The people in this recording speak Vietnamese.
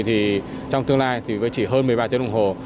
trong tương lai với chỉ hơn một mươi ba tiếng đồng hồ